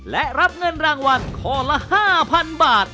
และรับเงินรางวัลข้อละ๕๐๐๐บาท